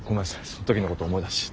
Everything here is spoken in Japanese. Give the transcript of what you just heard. その時のこと思い出し。